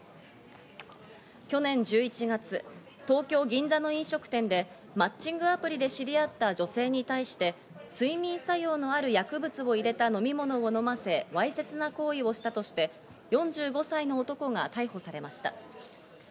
去年１１月、東京・銀座の飲食店でマッチングアプリで知り合った女性に対して、睡眠作用のある薬物を入れた飲み物を飲ませ、わいせつな行為をしたとして、４５歳の男が逮捕されました。